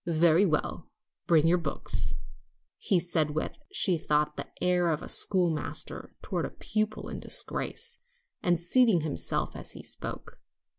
"Very well, bring your books," he said with, she thought, the air of a schoolmaster toward a pupil in disgrace, and seating himself as he spoke.